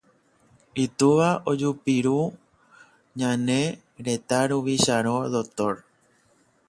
Itúva ojupírõ ñane retã ruvichárõ Dr.